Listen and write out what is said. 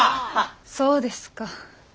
そうですか。